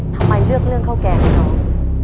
ทำไมเลือกเรื่องข้าวแกงให้น้อง